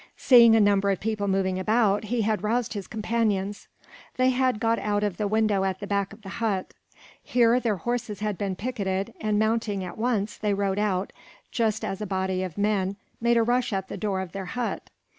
Seeing a number of people moving about, he had roused his companions. They had got out of the window at the back of the hut. Here their horses had been picketed and, mounting at once, they rode out, just as a body of men made a rush at the door of their hut.